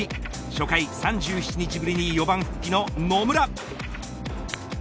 初回３７日ぶりに４番復帰の野村。